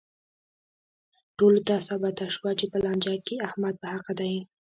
ټولو ته ثابته شوه چې په لانجه کې احمد په حقه دی.